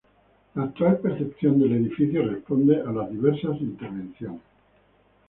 La actual percepción del edificio responde a las diversas intervenciones.